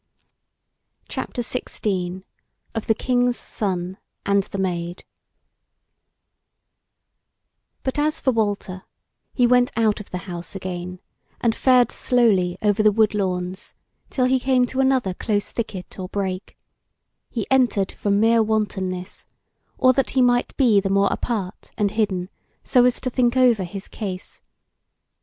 CHAPTER XVI: OF THE KING'S SON AND THE MAID But as for Walter, he went out of the house again, and fared slowly over the woodlawns till he came to another close thicket or brake; he entered from mere wantonness, or that he might be the more apart and hidden, so as to think over his case.